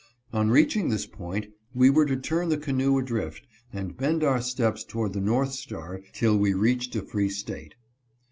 On reaching this point we were to turn the canoe adrift and bend our steps toward the north star till we reached a free state.